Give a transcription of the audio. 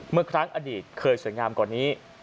เมื่อครั้งอดีตเคยสวยงามกว่านี้